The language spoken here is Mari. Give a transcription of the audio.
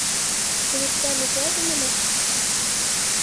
— Черетда Миклай дене мо?